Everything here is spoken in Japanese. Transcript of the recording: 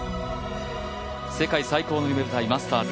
世界最高の夢舞台マスターズ